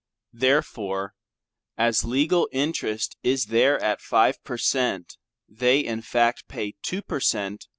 Therefore as legal interest is there at five per Ct. they in fact pay two per Ct.